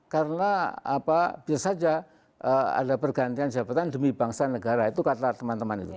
karena apa biar saja ada pergantian jabatan demi bangsa negara itu kata teman teman itu